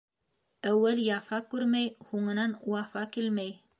Әүәл яфа күрмәй, һуңынан вафа килмәй.